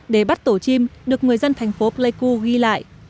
để bắt tổ chim được người dân thành phố pleiku ghi lại